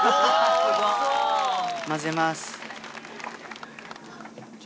混ぜます。